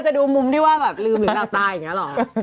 จะดูมุมที่ว่าแบบลืมหรือหลับตาอย่างนี้หรอ